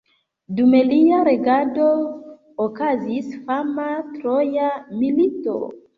Dum lia regado okazis fama Troja milito.